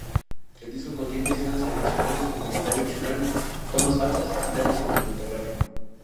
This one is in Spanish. El disco contiene escenas adicionales con comentario opcional, tomas falsas y tráiler cinematográfico.